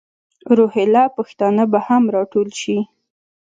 روهیله پښتانه به هم را ټول شي.